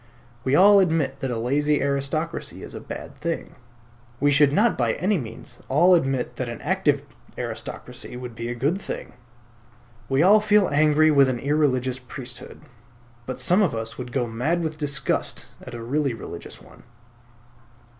We all admit that a lazy aristocracy is a bad thing. We should not by any means all admit that an active aristocracy would be a good thing. We all feel angry with an irreligious priesthood; but some of us would go mad with disgust at a really religious one.